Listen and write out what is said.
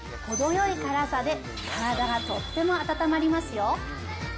程よい辛さで、体がとっても温まりますよ。